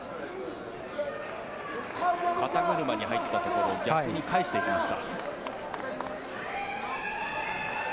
肩車に入ったところを逆に返していきました。